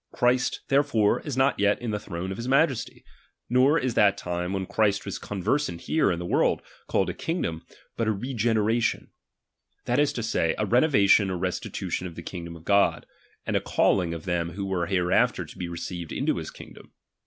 Christ itc. therefore is not yet in the throne of his majesty ; nor is that time, when Christ was conversant here in the world, called a kingdom, but a regenera tion ; that is to say, a renovation or restitution of the kingdom of God, and a calling of them who were hereafter to be received into his kingdom.